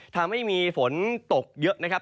ทำให้มีฝนตกเยอะนะครับ